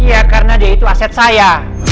iya karena dia itu aset saya